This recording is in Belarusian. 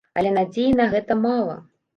Але надзеі на гэта мала!